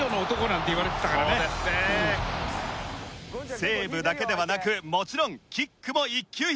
セーブだけではなくもちろんキックも一級品。